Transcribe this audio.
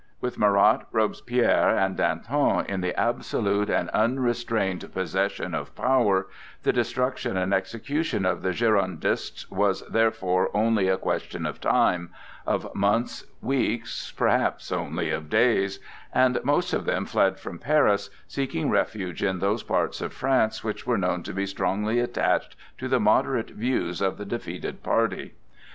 With Marat, Robespierre and Danton in the absolute and unrestrained possession of power, the destruction and execution of the Girondists was therefore only a question of time,—of months, weeks, perhaps only of days,—and most of them fled from Paris, seeking refuge in those parts of France which were known to be strongly attached to the moderate views of the defeated party.